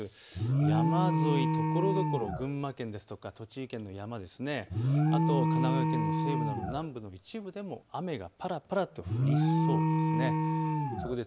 山沿い、ところどころ群馬県とか栃木県とかの山、神奈川県の西部の山、雨がぱらぱらと降りそうです。